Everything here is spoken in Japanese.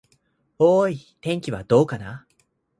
おーーい、天気はどうかな。